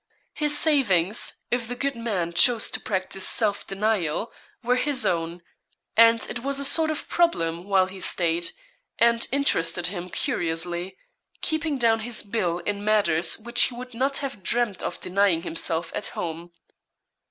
His savings, if the good man chose to practise self denial, were his own and it was a sort of problem while he stayed, and interested him curiously keeping down his bill in matters which he would not have dreamed of denying himself at home.